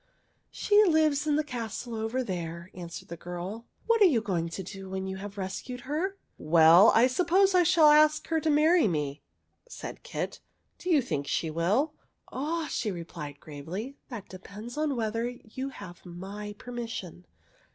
'' She lives in the castle over there," an swered the girl. " What are you going to do when you have rescued her?" '' Well, I suppose I shall ask her to marry me," said Kit. '' Do you think she will ?"'' Ah," she replied gravely, " that depends on whether you have my permission.